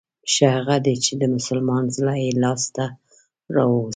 ښه هغه دی چې د مسلمان زړه يې لاس ته راووست.